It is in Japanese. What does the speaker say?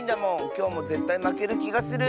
きょうもぜったいまけるきがする。